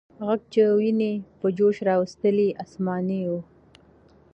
ږغ چې ويني په جوش راوستلې، آسماني و.